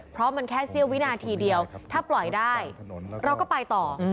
เพราะมันแค่เสี้ยววินาทีเดียวถ้าปล่อยได้เราก็ไปต่อ